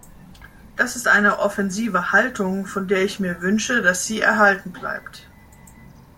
Das ist eine offensive Haltung, von der ich mir wünsche, dass sie erhalten bleibt.